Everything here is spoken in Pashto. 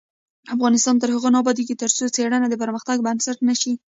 افغانستان تر هغو نه ابادیږي، ترڅو څیړنه د پرمختګ بنسټ نشي.